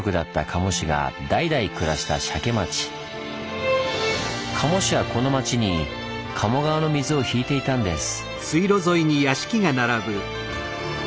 賀茂氏はこの町に賀茂川の水を引いていたんです。